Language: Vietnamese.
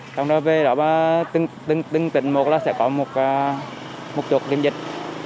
trong đó về đó từng tỉnh một là sẽ có một chút kiểm dịch